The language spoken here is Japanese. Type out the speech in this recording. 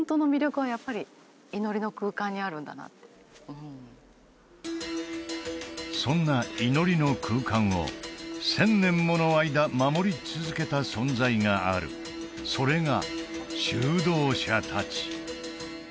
うんそんな祈りの空間を１０００年もの間守り続けた存在があるそれが修道者達